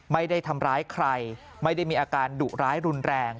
ไม่ได้ทำร้ายใครไม่ได้มีอาการดุร้ายรุนแรง